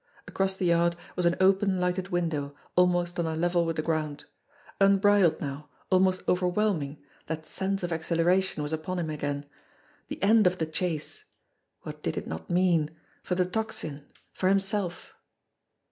Across the yard was an open, lighted window, almost on a level with the ground. Unbridled now, almost overwhelm ing, that sense of exhilaration was upon him again. The end of the chase ! What did it not mean for the Tocsin for himself